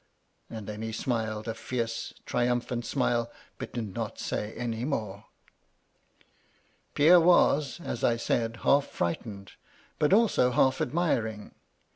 — ^and then he smiled a fierce, triumphant smile, but did not say any more. "Pierre was, as I said, half frightened; but also half admiring.